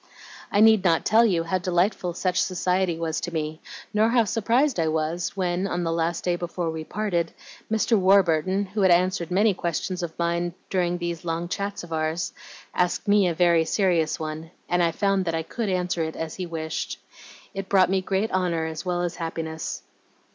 "I need not tell you how delightful such society was to me, nor how surprised I was when, on the last day before we parted, Mr. Warburton, who had answered many questions of mine during these long chats of ours, asked me a very serious one, and I found that I could answer it as he wished. It brought me great honor as well as happiness.